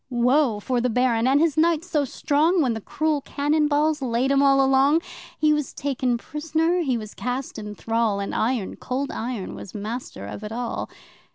Woe for the Baron and his knights so strong, When the cruel cannon balls laid 'em all along! He was taken prisoner, he was cast in thrall, And Iron Cold Iron was master of it all!